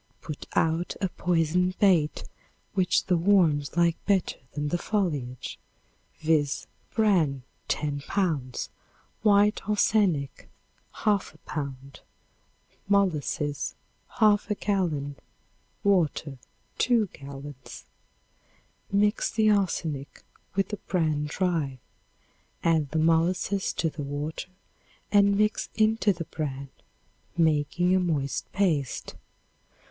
Put out a poisoned bait which the worms like better than the foliage, viz. Bran, 10 pounds; white arsenic, 1/2 pound; molasses, 1/2 gallon; water, 2 gallons. Mix the arsenic with the bran dry. Add the molasses to the water and mix into the bran, making a moist paste.